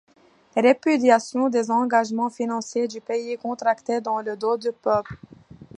Répudiation des engagements financiers du pays, contractés dans le dos du peuple.